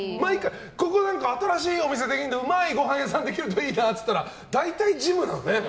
ここ何か新しいお店できるんだうまいごはん屋さんできるといいなって言うと大体ジムなんだよね。